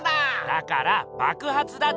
だからばくはつだってば。